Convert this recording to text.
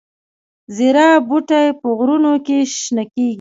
زیره بوټی په غرونو کې شنه کیږي؟